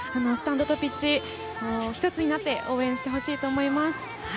スタンドとピッチ、一つになって応援してほしいと思います。